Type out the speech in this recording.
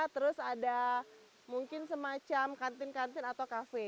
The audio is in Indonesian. terus ada mungkin semacam kantin kantin atau kafe